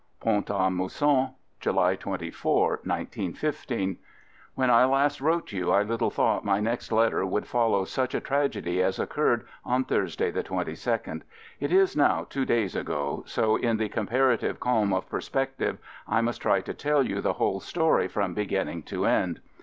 Pont a Mousson, July 2k, 1915. r When I last wrote you I little thought my next letter would follow such a tragedy as occurred on Thursday the 22d. It is now two days ago, so in the comparative calm of perspective, I must try to tell you the whole story from beginning to end.